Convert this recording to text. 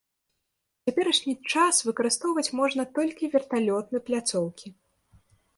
У цяперашні час выкарыстоўваць можна толькі верталётны пляцоўкі.